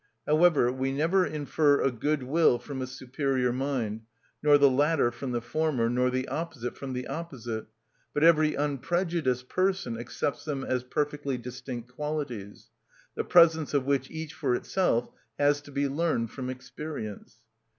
However, we never infer a good will from a superior mind, nor the latter from the former, nor the opposite from the opposite, but every unprejudiced person accepts them as perfectly distinct qualities, the presence of which each for itself has to be learned from experience.